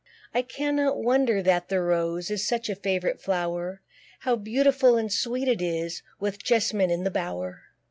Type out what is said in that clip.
I cannot wonder that the Rose Is such a favourite flower; How beautiful and sweet it is, With jess'mine in the bower.